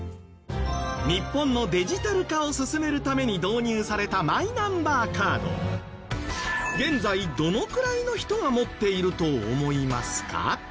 日本のデジタル化を進めるために導入された現在どのくらいの人が持っていると思いますか？